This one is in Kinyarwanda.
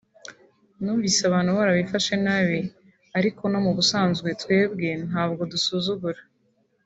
numvise abantu barabifashe nabi ariko no mu busanzwe twebwe ntabwo dusuzugura